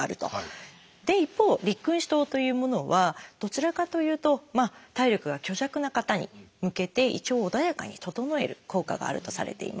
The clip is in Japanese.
一方「六君子湯」というものはどちらかというと体力が虚弱な方に向けて胃腸を穏やかに整える効果があるとされています。